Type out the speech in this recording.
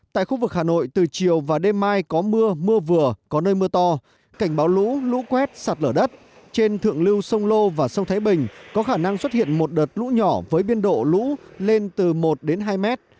tại khu vực hà nội từ chiều và đêm mai có mưa mưa vừa có nơi mưa to cảnh báo lũ lũ quét sạt lở đất trên thượng lưu sông lô và sông thái bình có khả năng xuất hiện một đợt lũ nhỏ với biên độ lũ lên từ một đến hai mét